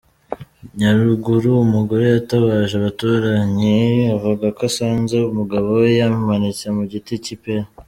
Nyaruguru: Umugore yatabaje abaturanyi avuga ko asanze umugabo we yimanitse mu giti cy’ ipera.